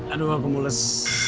aduh aku mulus